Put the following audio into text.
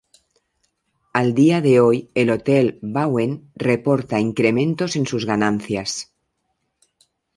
Al día de hoy, el Hotel Bauen reporta incrementos en sus ganancias.